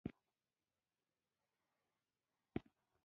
د میرمنو کار او تعلیم مهم دی ځکه چې ښځو باور زیاتولو سبب دی.